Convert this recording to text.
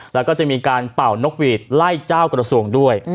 แล้วก็จะมีการเป่านกหวีดไล่เจ้ากระทรวงด้วย